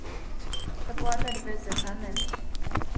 — Тыплане, рвезе, кане.